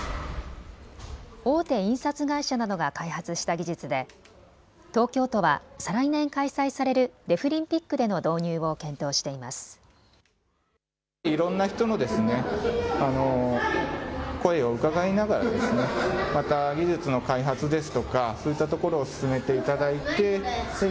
大手印刷会社などが開発した技術で東京都は再来年開催されるデフリンピックでの導入を検討しています。